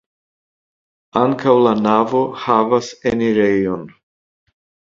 Ankaŭ la navo havas enirejon.